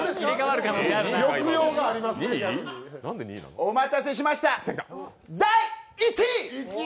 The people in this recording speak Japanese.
お待たせしました第１位！